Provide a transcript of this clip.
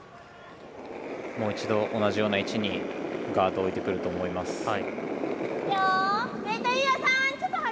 もう一度同じような位置にガードを置いてくると思います。